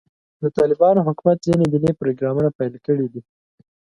د طالبانو حکومت ځینې دیني پروګرامونه پیل کړي دي.